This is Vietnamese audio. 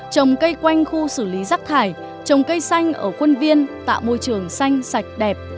trồng cây quanh khu xử lý rác thải trồng cây xanh ở quân viên tạo môi trường xanh sạch đẹp